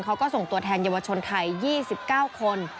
เขาก็ส่งตัวแทนเยาวชนไทย๒๙คน